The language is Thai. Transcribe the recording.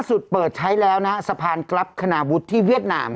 เปิดใช้แล้วนะฮะสะพานกรับคณาวุฒิที่เวียดนาม